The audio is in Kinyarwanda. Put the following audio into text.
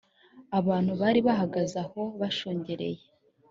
abantu bari bahagaze aho bashungereye